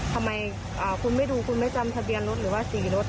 ทำไมคุณไม่ดูคุณไม่จำทะเบียนรถหรือว่า๔รถ